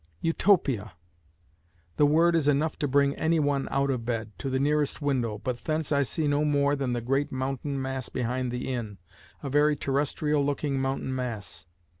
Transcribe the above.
Utopia! The word is enough to bring anyone out of bed, to the nearest window, but thence I see no more than the great mountain mass behind the inn, a very terrestrial looking mountain mass.